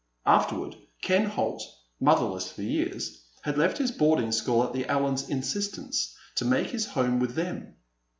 Afterward, Ken Holt, motherless for years, had left his boarding school at the Allens' insistence to make his home with them.